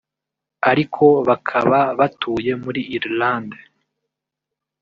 ariko bakaba batuye muri irlande